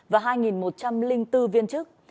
và hai một trăm linh bốn viên chức